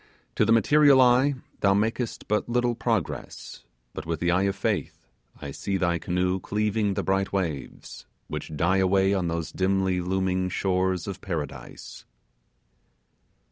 To the material eye thou makest but little progress; but with the eye of faith, I see thy canoe cleaving the bright waves, which die away on those dimly looming shores of Paradise.